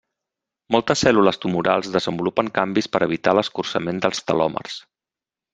Moltes cèl·lules tumorals desenvolupen canvis per evitar l'escurçament dels telòmers.